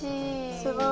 すごい。